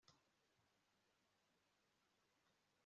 Rwaburindi Rwabukamba